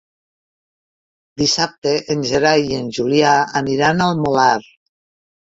Dissabte en Gerai i en Julià aniran al Molar.